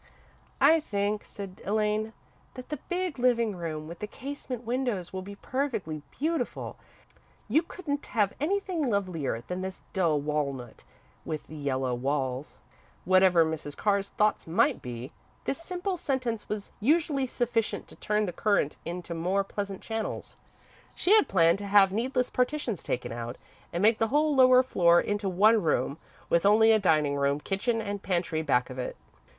"I think," said Elaine, "that the big living room with the casement windows will be perfectly beautiful. You couldn't have anything lovelier than this dull walnut with the yellow walls." Whatever Mrs. Carr's thoughts might be, this simple sentence was usually sufficient to turn the current into more pleasant channels. She had planned to have needless partitions taken out, and make the whole lower floor into one room, with only a dining room, kitchen, and pantry back of it.